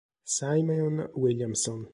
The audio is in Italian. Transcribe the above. Simeon Williamson